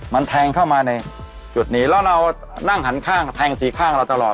มันแทงเข้ามาในจุดนี้แล้วเรานั่งหันข้างแทงสี่ข้างเราตลอด